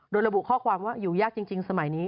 โดยระบุข้อความว่าอยู่ยากจริงสมัยนี้